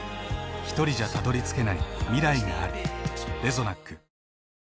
ひとりじゃたどりつけない未来がある。